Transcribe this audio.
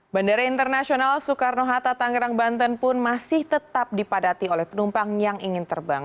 bandara internasional soekarno hatta tangerang banten pun masih tetap dipadati oleh penumpang yang ingin terbang